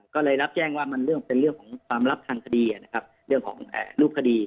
ก็เลยรับแจ้งว่ามันเป็นเรื่องของความลับทางคดีนะครับเรื่องของรูปคดี